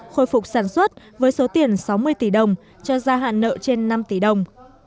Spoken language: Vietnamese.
khôi phục sản xuất với số tiền sáu mươi tỷ đồng cho gia hạn nợ trên năm tỷ đồng